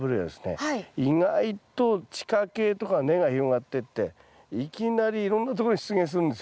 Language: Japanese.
意外と地下茎とか根が広がってっていきなりいろんなとこに出現するんですよ。